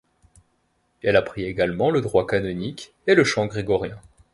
Elle apprit également le droit canonique et le chant grégorien.